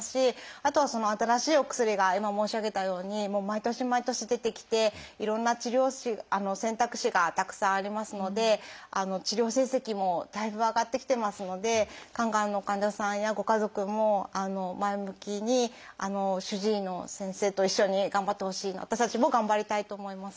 あとは新しいお薬が今申し上げたように毎年毎年出てきていろんな治療選択肢がたくさんありますので治療成績もだいぶ上がってきてますので肝がんの患者さんやご家族も前向きに主治医の先生と一緒に頑張ってほしい私たちも頑張りたいと思います。